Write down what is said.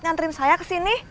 nyantriin saya ke sini